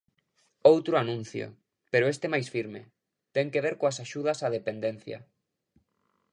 Outro anuncio, pero este máis firme, ten que ver coas axudas á dependencia.